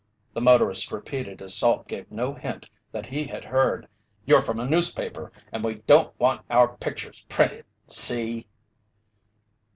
the motorist repeated as Salt gave no hint that he had heard. "You're from a newspaper, and we don't want our pictures printed see?"